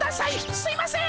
すいません！